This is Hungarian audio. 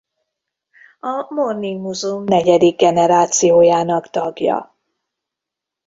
A Morning Musume negyedik generációjának tagja.